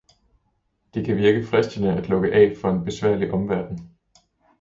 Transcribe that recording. Det kan virke fristende at lukke af for en besværlig omverden.